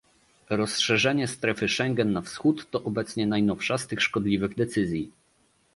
Rozszerzenie strefy Schengen na wschód to obecne najnowsza z tych szkodliwych decyzji